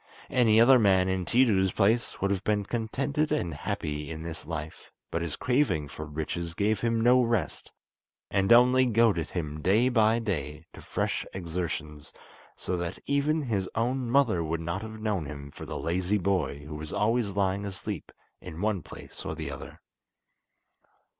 Any other man in Tiidu's place would have been contented and happy in this life; but his craving for riches gave him no rest, and only goaded him day by day to fresh exertions, so that even his own mother would not have known him for the lazy boy who was always lying asleep in one place or the other.